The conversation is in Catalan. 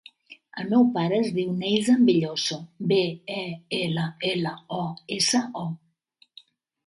El meu pare es diu Neizan Belloso: be, e, ela, ela, o, essa, o.